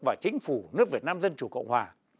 và chính phủ nước việt nam dân chủ cộng hòa